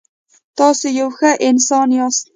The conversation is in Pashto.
تاسو یو ښه انسان یاست.